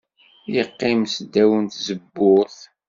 Yeqqim s ddaw n tzemmurt.